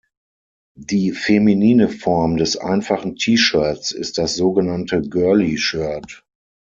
Die feminine Form des einfachen T-Shirts ist das sogenannte "Girlie"-Shirt.